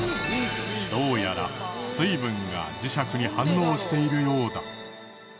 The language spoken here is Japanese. どうやら水分が磁石に反応しているようだ。